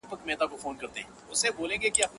زما لفظونه په سجده دې په لمانځه پاته دي~